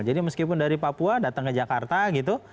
jadi meskipun dari papua datang ke jakarta gitu